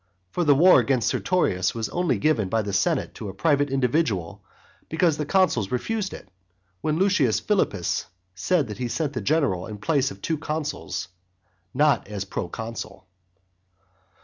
For the war against Sertorius was only given by the senate to a private individual because the consuls refused it, when Lucius Philippus said that he sent the general in the place of the two consuls, not as proconsul.